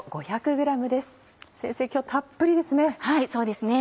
今日たっぷりですね。